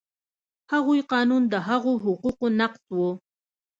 هغوی قانون د هغو حقوقو نقض و.